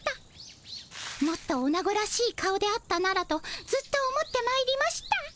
もっとオナゴらしい顔であったならとずっと思ってまいりました。